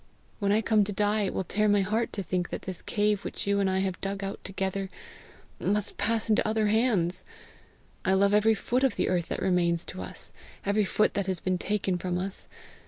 When I come to die, it will tear my heart to think that this cave which you and I have dug out together, must pass into other hands! I love every foot of the earth that remains to us every foot that has been taken from us.